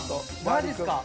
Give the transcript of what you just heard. マジっすか？